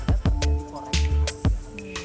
kita mau pegang tangan dulu buat yang mengikuti melalui zoom